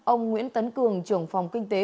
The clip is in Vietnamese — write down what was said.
ông nguyễn tấn cường trưởng phòng kinh tế